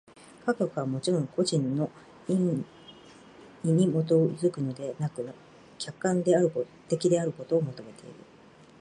科学はもちろん個人の肆意に基づくのでなく、客観的であることを求めている。